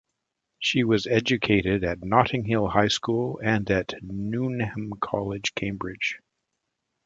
She was educated at Notting Hill High School and at Newnham College, Cambridge.